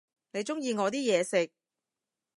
你鍾意我啲嘢食？